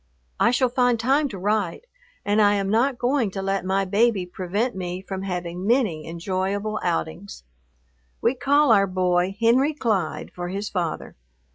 I shall find time to write, and I am not going to let my baby prevent me from having many enjoyable outings. We call our boy Henry Clyde for his father.